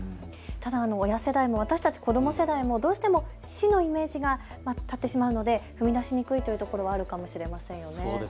ただ親世代も私たち子ども世代もどうしても死のイメージが立ってしまうので踏み出しにくいというところがあるかもしれませんね。